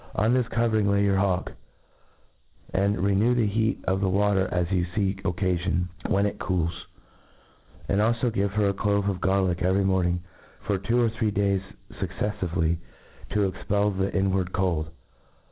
On this covering lay your hawk ; and re? new the heat of the water as you fee occafion, wheta it cools ; and alfo give her a clove of gar lick every morning, for two or three days fucr ceffively, to expel the inward cold.